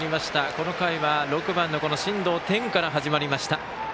この回は６番の進藤天から始まりました。